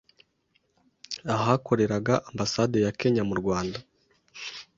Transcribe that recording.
ahakoreraga Ambasade ya Kenya mu Rwanda.